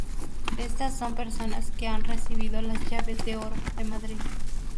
Estas son personas que han recibido las Llaves de Oro de Madrid.